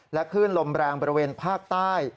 คลื่นลมแรงบริเวณภาคใต้